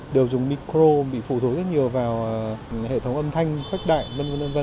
đều dùng micro bị phủ rối rất nhiều vào hệ thống âm thanh khách đại v v